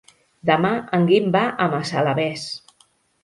Demà en Guim va a Massalavés.